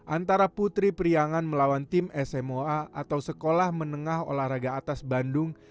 antara putri priangan melawan tim smoa atau sekolah menengah olahraga atas bandung